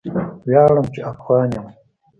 ویاړم چې افغان یم